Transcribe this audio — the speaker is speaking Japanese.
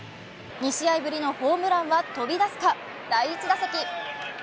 ２試合ぶりのホームランは飛び出すか、第１打席。